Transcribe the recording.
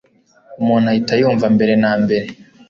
umuntu ahita yumva mbere na mbere :